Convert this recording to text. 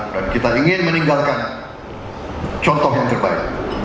dan kita ingin meninggalkan contoh yang terbaik